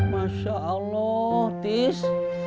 masya allah tis